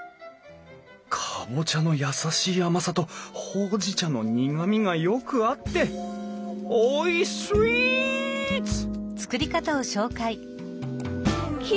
カボチャの優しい甘さとほうじ茶の苦みがよく合っておいスイーツ！